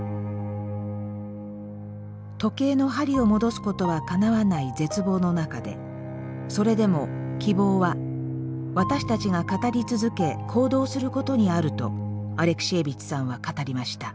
時計の針を戻すことはかなわない絶望の中でそれでも希望は私たちが語り続け行動することにあるとアレクシエービッチさんは語りました。